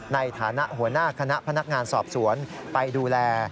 ในฐานะหัวหน้าคณะพนักงานสอบสวนไปดูแล